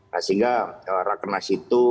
sehingga rakernas itu